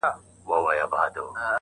څو یې ستا تېره منگول ته سمومه!